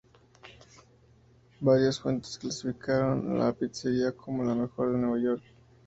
Varias fuentes clasificaron a la pizzería como la mejor en Nueva York.